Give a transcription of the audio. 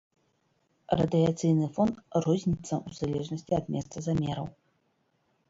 Радыяцыйны фон розніцца ў залежнасці ад месца замераў.